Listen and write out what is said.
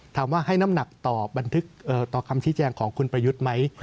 ถามว่าให้น้ำหนักต่อบันทึกต่อคำชี้แจงของคุณประยุทธ์ไหม